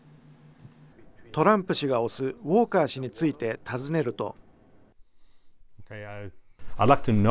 トランプ氏が推すウォーカー氏について尋ねると。